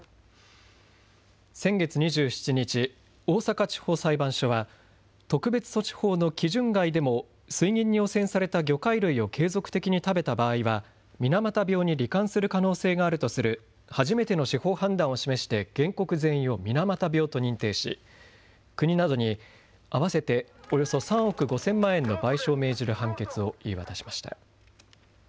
先月２７日、大阪地方裁判所は特別措置法の基準外でも水銀に汚染された魚介類を継続的に食べた場合は水俣病に、り患する可能性があるとする初めての司法判断を示して原告全員を水俣病と認定し国などに合わせておよそ３億５０００万円の賠償を命じる判決を言い渡しました。